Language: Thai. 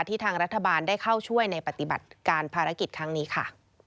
ทางรัฐบาลได้เข้าช่วยในปฏิบัติการภารกิจครั้งนี้ค่ะ